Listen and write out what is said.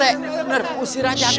bener pusing aja